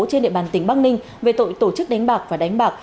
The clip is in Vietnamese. trên địa bàn tỉnh bắc ninh về tội tổ chức đánh bạc và đánh bạc